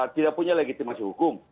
tidak punya legitimasi hukum